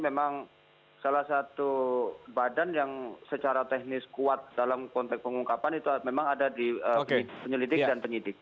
memang salah satu badan yang secara teknis kuat dalam konteks pengungkapan itu memang ada di penyelidik dan penyidik